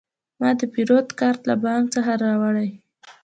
ما د پیرود کارت له بانک څخه راوړی.